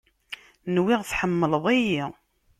Nwiɣ tḥemleḍ-iyi.